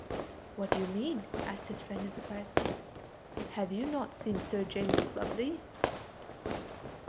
"What do you mean?" asked his friend in surprise, "have you not seen Sir James Clubley?"